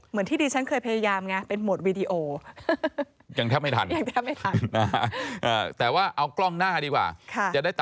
เหมือนที่ดีฉันเคยพยายามไง